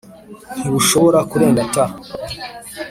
ntibushobora kurenga t